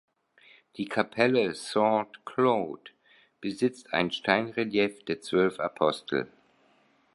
Die Kapelle "Saint-Claude" besitzt ein Steinrelief der zwölf Apostel.